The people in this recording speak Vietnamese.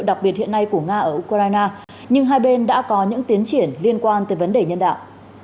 đặc biệt hiện nay của nga ở ukraine nhưng hai bên đã có những tiến triển liên quan tới vấn đề nhân đạo